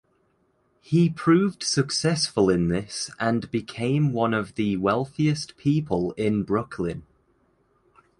He proved successful in this and became one of the wealthiest people in Brooklyn.